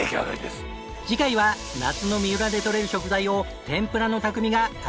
次回は夏の三浦でとれる食材を天ぷらの匠が揚げ尽くします！